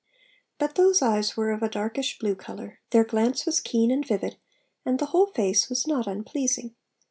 But those eyes were of a darkish blue colour, their glance was keen and vivid, and the whole face was 'not unpleasing.'